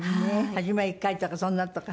初めは１回とかそんなんとか。